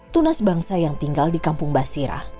tunas bangsa yang tinggal di kampung basirah